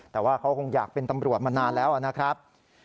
แต่ว่าเขาคงอยากเป็นตำรวจมานานแล้วนะครับ